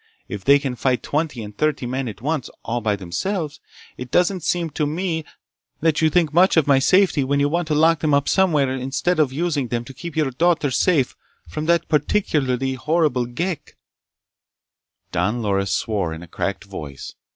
If they can fight twenty and thirty men at once, all by themselves, it doesn't seem to me that you think much of my safety when you want to lock them up somewhere instead of using them to keep your daughter safe from that particularly horrible Ghek!" Don Loris swore in a cracked voice.